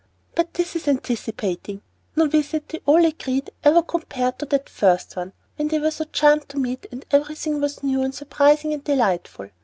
But this is anticipating. No visit, they all agreed, ever compared with that first one, when they were so charmed to meet, and everything was new and surprising and delightful.